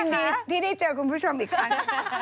วันนี้ที่ได้เจอคุณผู้ชมอีกครั้ง